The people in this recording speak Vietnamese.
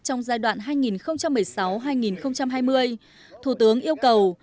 trong giai đoạn hai nghìn một mươi sáu hai nghìn hai mươi thủ tướng yêu cầu